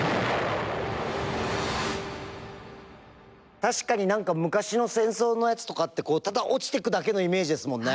確かに何か昔の戦争のやつとかってこうただ落ちてくだけのイメージですもんね。